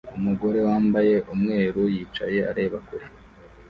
Umugore wambaye umweru yicaye areba kure